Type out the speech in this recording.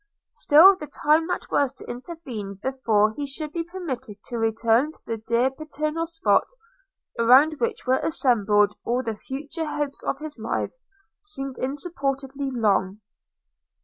Still the time that was to intervene before he should be permitted to return to the dear paternal spot, around which were assembled all the future hopes of his life, seemed insupportably long.